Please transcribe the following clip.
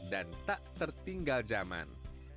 dan tak tertinggal zaman